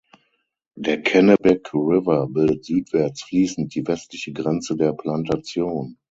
Der Kennebec River bildet südwärts fließend die westliche Grenze der Plantation.